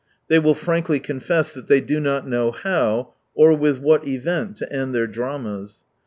They will frankly confess that they do not know how, or with what event to end their dramas.